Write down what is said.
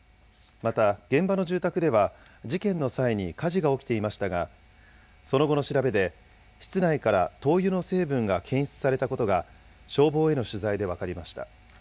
また現場の住宅では、事件の際に火事が起きていましたが、その後の調べで、室内から灯油の成分が検出されたことが消防への取材で分かりました。